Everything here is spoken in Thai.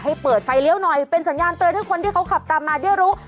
เปิดไฟเลี้ยวหน่อยเป็นสัญญาณเตือนให้คนที่เขาขับตามมาได้รู้